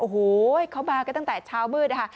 โอ้โหเขามากันตั้งแต่เช้ามืดนะคะ